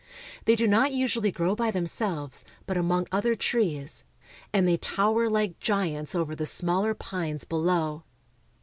They do not usually grow by them selves, but among other trees, and they tower like giants over the smaller pines below.